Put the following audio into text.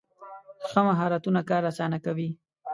ښه مهارتونه کار اسانه کوي.